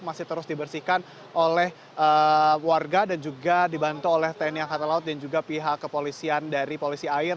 masih terus dibersihkan oleh warga dan juga dibantu oleh tni angkatan laut dan juga pihak kepolisian dari polisi air